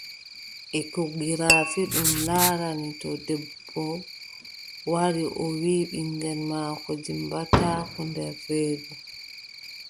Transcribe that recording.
Ekogirafi, ɗum laarani to debbo wari o wii ɓiŋngel maako dimmbataako nder reedu,